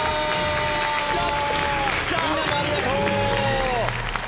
みんなもありがとう。